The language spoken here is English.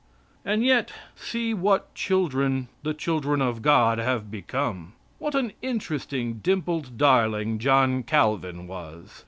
And yet, see what children the children of God have been. What an interesting dimpled darling John Calvin was.